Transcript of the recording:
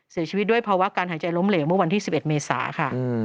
เสียชีวิตด้วยภาวะการหายใจล้มเหลวเมื่อวันที่๑๑เมษาค่ะ